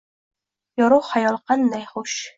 Yorug’ xayol qanday xush…